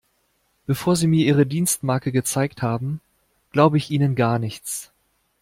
Bevor Sie mir Ihre Dienstmarke gezeigt haben, glaube ich Ihnen gar nichts.